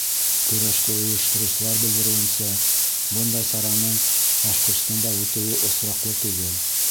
Көрәште ойоштороусылар белдереүенсә, бындай сараның Башҡортостанда үтеүе осраҡлы түгел.